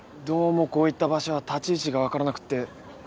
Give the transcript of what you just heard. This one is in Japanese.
どうもこういった場所は立ち位置が分からなくって。